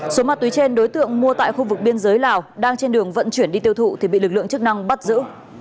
số ma túy trên đối tượng mua tại khu vực biên giới lào đang trên đường vận chuyển đi tiêu thụ thì bị lực lượng chức năng bắt giữ